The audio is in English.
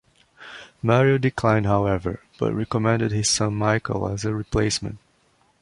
Mario declined however, but recommended his son Michael as a replacement.